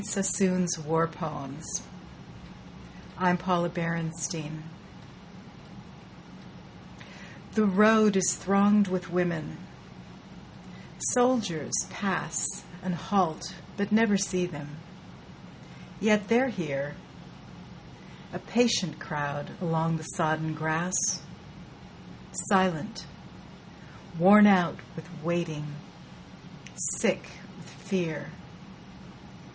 June 25th, 1916. THE ROAD The road is thronged with women; soldiers pass And halt, but never see them; yet they're here A patient crowd along the sodden grass, Silent, worn out with waiting, sick with fear.